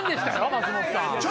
松本さん。